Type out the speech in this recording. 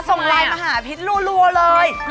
ส่งไลน์มาหาพิษรัวเลย